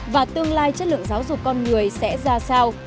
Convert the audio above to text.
và tương lai chất lượng giáo dục con người sẽ ra sao